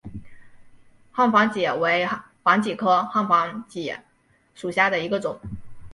汉防己为防己科汉防己属下的一个种。